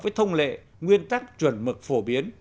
với thông lệ nguyên tắc chuẩn mực phổ biến